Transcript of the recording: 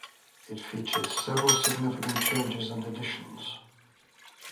It featured several significant changes and additions.